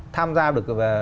tham gia được